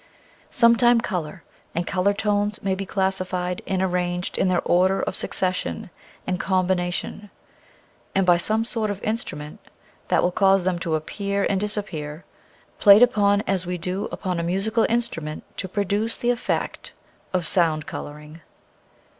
Some time color and color tones may be classi fied and arranged in their order of succession and combination, and by some sort of instru ment that will cause them to appear and dis appear — played upon as we do upon a musical instrument to produce the effect of sound coloring.